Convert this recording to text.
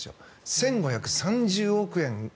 １５３０億円